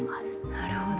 なるほど。